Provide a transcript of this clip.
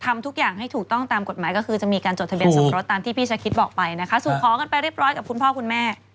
ทำทุกอย่างให้ถูกต้องตามกฎหมายก็คือจะมีการจดทะเบียนสมรสตามที่พี่ชะคิดบอกไปนะคะสู่ขอกันไปเรียบร้อยกับคุณพ่อคุณแม่